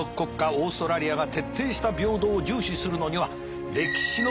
オーストラリアが徹底した平等を重視するのには歴史の物語があります。